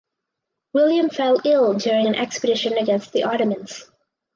William fell ill during an expedition against the Ottomans.